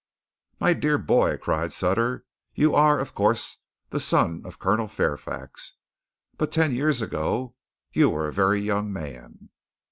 "My dear boy!" cried Sutter. "You are, of course the son of Colonel Fairfax. But ten years ago you were a very young man!"